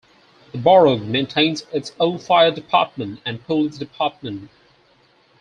The borough maintains its own fire department and police department.